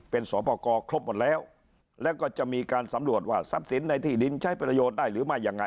เป็นสอบประกอบครบหมดแล้วแล้วก็จะมีการสำรวจว่าทรัพย์สินในที่ดินใช้ประโยชน์ได้หรือไม่ยังไง